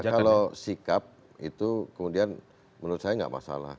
ya kalau sikap itu kemudian menurut saya enggak masalah